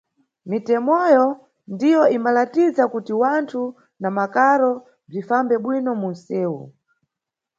Mitemoyo ndyo imbalatiza kuti wanthu na makaro bzimbafambe bwino munsewu.